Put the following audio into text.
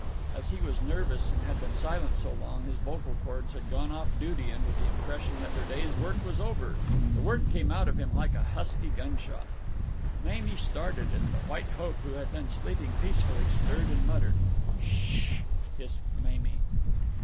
As he was nervous and had been silent so long that his vocal cords had gone off duty under the impression that their day's work was over, the word came out of him like a husky gunshot. Mamie started, and the White Hope, who had been sleeping peacefully, stirred and muttered. "S sh!" hissed Mamie.